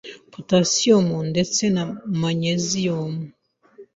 potasiyumu ndetse na manyeziyumu.